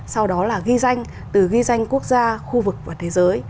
sau đó là ghi danh từ ghi danh quốc gia khu vực và thế giới